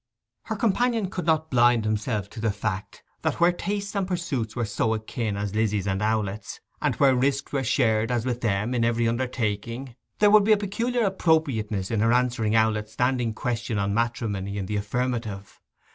Her companion could not blind himself to the fact that where tastes and pursuits were so akin as Lizzy's and Owlett's, and where risks were shared, as with them, in every undertaking, there would be a peculiar appropriateness in her answering Owlett's standing question on matrimony in the affirmative.